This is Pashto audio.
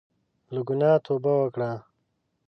له ګناه توبه وکړه.